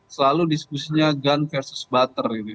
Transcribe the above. selalu diskusinya gun versus butter gitu